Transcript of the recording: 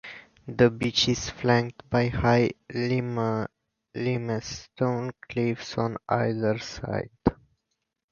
The beach is flanked by high limestone cliffs on either side.